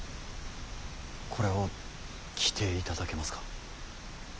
これを着ていただけますか。